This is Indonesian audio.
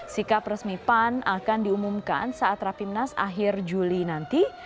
sikap resmi pan akan diumumkan saat rapimnas akhir juli nanti